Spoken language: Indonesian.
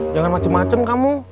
jangan macem macem kamu